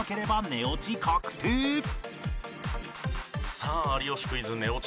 さあ『有吉クイズ』寝落ち